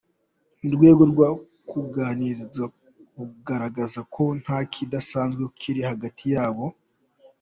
Mu rwego rwo kugaragaza ko ntakidasanzwe kiri hagati yabo.